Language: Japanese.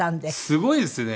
すごいですね！